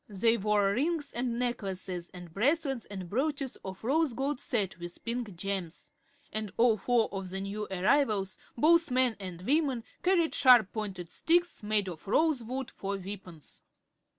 They wore rings and necklaces and bracelets and brooches of rose gold set with pink gems, and all four of the new arrivals, both men and women, carried sharp pointed sticks, made of rosewood, for weapons.